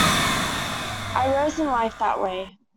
I rose in life that way.